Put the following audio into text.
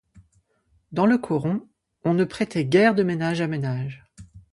Dans le coron, on ne se prêtait guère de ménage à ménage.